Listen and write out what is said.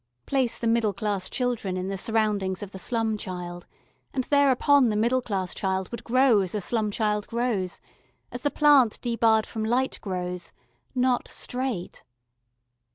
Place the middle class children in the surroundings of the slum child, and thereupon the middle class child would grow as the slum child grows, as the plant debarred from light grows not straight.